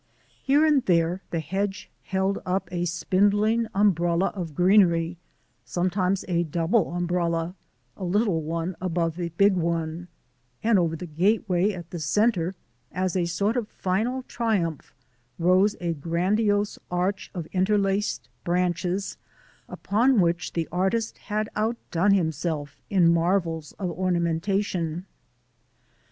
Here and there the hedge held up a spindling umbrella of greenery, sometimes a double umbrella a little one above the big one and over the gateway at the centre; as a sort of final triumph, rose a grandiose arch of interlaced branches upon which the artist had outdone himself in marvels of ornamentation.